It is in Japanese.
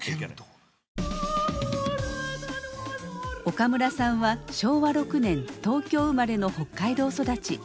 岡村さんは昭和６年東京生まれの北海道育ち。